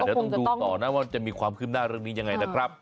เดี๋ยวต้องดูต่อนะว่าจะมีความขึ้นหน้าเรื่องนี้ยังไงนะครับ